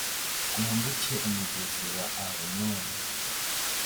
mwambuke umugezi wa arunoni